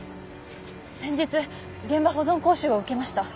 先日現場保存講習を受けました。